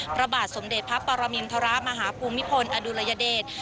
พระบาทสมเด็จพระปรมินทรมาฮภูมิพลอดุลยเดช